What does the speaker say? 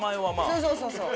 そうそうそうそう。